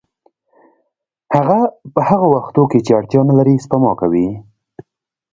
هغه په هغو وختونو کې چې اړتیا نلري سپما کوي